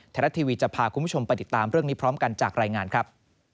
ไทยรัฐทีวีจะพาคุณผู้ชมไปติดตามเรื่องนี้พร้อมกันจากรายงานครับ